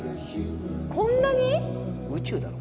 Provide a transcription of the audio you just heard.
こんなに宇宙だろ？